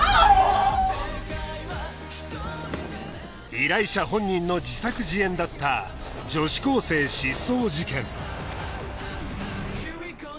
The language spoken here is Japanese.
依頼者本人の自作自演だった女子高生失踪事件